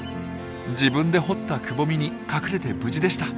自分で掘ったくぼみに隠れて無事でした。